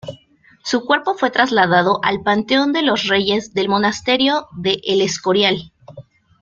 Su cuerpo fue trasladado al Panteón de los Reyes del Monasterio de El Escorial.